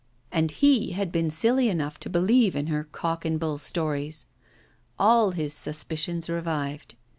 And he had been silly enough to believe in her cock and bull stories! All his suspicions revived.